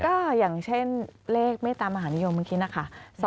ก็อย่างเช่นเลขเมตตามหานิยมเมื่อกี้นะคะ